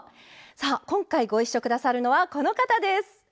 さあ今回ご一緒下さるのはこの方です！